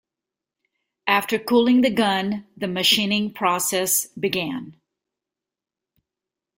After cooling the gun the machining process began.